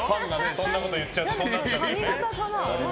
そんなこと言っちゃうとね。